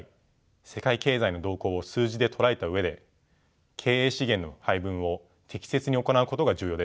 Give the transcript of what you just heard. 世界経済の動向を数字でとらえた上で経営資源の配分を適切に行うことが重要です。